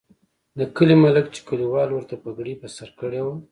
د کلي ملک چې کلیوالو ورته پګړۍ په سر کړې وه.